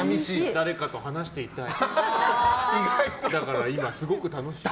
誰かと話していたい。